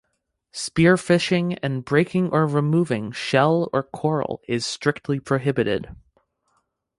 Spear fishing and breaking or removing shell or coral is strictly prohibited.